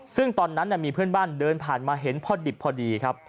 ซึ่งตอนนั้นมีเพื่อนบ้านเดินผ่านมาเห็นพอดิบพอดีครับ